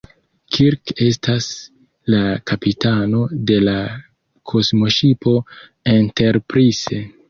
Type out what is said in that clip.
Kirk estas la kapitano de la kosmoŝipo Enterprise.